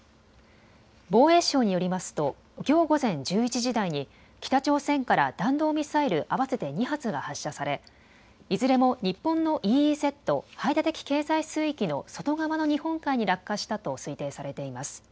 防衛省によりますときょう午前１１時台に北朝鮮から弾道ミサイル合わせて２発が発射されいずれも日本のＥＥＺ・排他的経済水域の外側の日本海に落下したと推定されています。